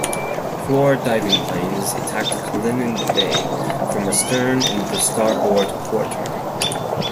Four diving planes attacked "Kalinin Bay" from astern and the starboard quarter.